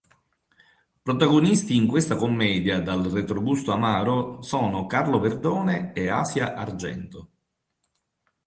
Protagonisti, in questa commedia dal retrogusto amaro, sono Carlo Verdone e Asia Argento.